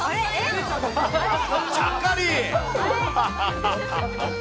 ちゃっかり！